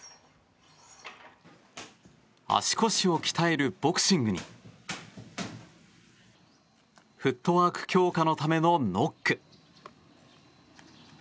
足腰を鍛えるボクシングにフットワーク強化のためのノック。